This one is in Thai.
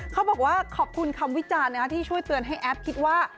เขาบอกว่าขอบคุณคำวิจารณ์ที่ช่วยเตือนให้แอฟคิดว่า